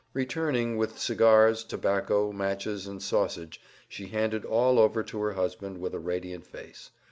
Returning with cigars, tobacco, matches, and sausage, she handed all over to her husband with a radiant face.